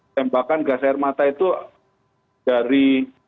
tembakan gas air mata itu dari